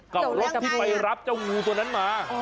กับรถที่ไปรับเจ้างูตัวนั้นมา